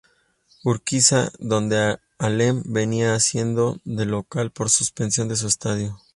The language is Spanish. Urquiza donde Alem venía haciendo de local por la suspensión de su estadio.